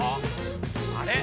あれ？